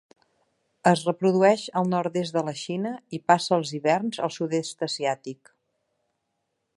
Es reprodueix al nord-est de la Xina i passa els hiverns al Sud-est Asiàtic.